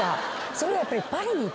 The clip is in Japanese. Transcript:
それはやっぱり。